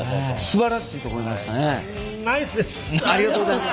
すばらしいと思いましたね。